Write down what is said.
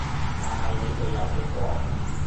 但係你哋有傾過？